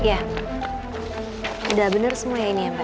iya udah bener semua ini ya mbak